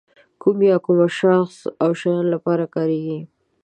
کوم یا کومه د شخص او شیانو لپاره کاریږي.